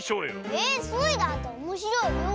えっスイだっておもしろいよ！